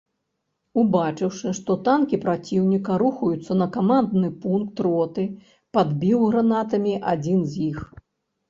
Убачыўшы, што танкі праціўніка рухаюцца на камандны пункт роты, падбіў гранатамі адзін з іх.